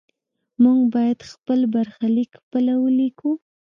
موږ باید خپل برخلیک خپله ولیکو.